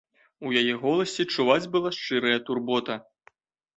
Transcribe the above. У яе голасе чуваць была шчырая турбота.